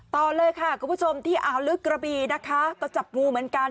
ต่อเลยค่ะที่ที่ที่อายุหรือกระบีต้องจับงูเหมือนกัน